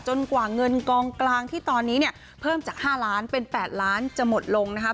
กว่าเงินกองกลางที่ตอนนี้เนี่ยเพิ่มจาก๕ล้านเป็น๘ล้านจะหมดลงนะคะ